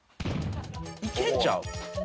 いけんちゃう？